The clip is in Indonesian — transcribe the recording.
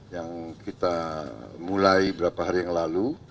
yang kita mulai beberapa hari yang lalu